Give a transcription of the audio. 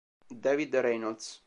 David Reynolds